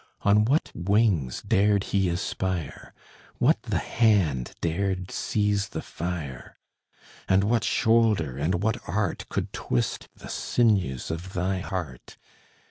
On what wings dared he aspire? What the hand dared seize the fire? And what shoulder, and what art, Could twist the sinews of thy heart?